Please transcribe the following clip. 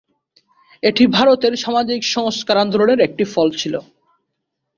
এটি ভারতের সামাজিক সংস্কার আন্দোলনের একটি ফল ছিল।